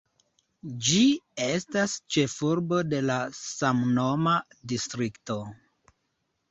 Ĝi estas ĉefurbo de la samnoma distrikto.